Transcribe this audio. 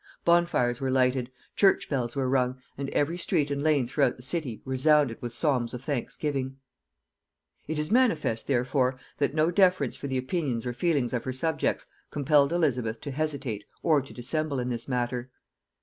Bonfires were lighted, church bells were rung, and every street and lane throughout the city resounded with psalms of thanksgiving. [Note 97: Hollinshed's Castrations.] It is manifest, therefore, that no deference for the opinions or feelings of her subjects compelled Elizabeth to hesitate or to dissemble in this matter.